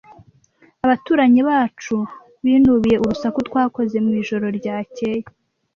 Abaturanyi bacu binubiye urusaku twakoze mu ijoro ryakeye.